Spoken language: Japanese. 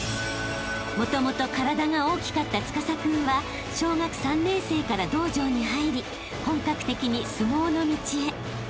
［もともと体が大きかった司君は小学３年生から道場に入り本格的に相撲の道へ］